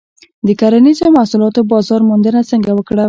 د کرنیزو محصولاتو بازار موندنه څنګه وکړم؟